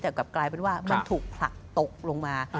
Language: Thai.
แต่กลับกลายเป็นว่ามันถูกผลักตกลงมา